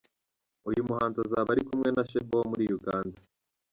Uyu muhanzi azaba ari kumwe na Sheebah wo muri Uganda.